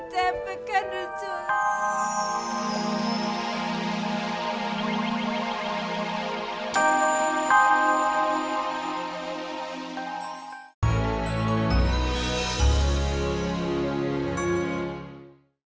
cepi keren cepi